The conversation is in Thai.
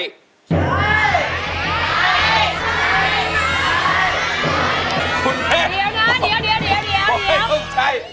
เดี๋ยวเดี๋ยวเดี๋ยวเดี๋ยว